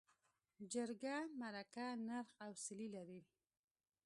جرګه، مرکه، نرخ او څلي لرل.